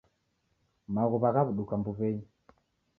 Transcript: Maghuw'a ghaw'uduka mbuw'enyi.